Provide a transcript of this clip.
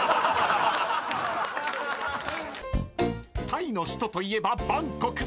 ［タイの首都といえばバンコク］